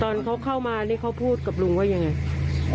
ตอนเขาเข้ามานี่เขาพูดกับลุงว่ายังไง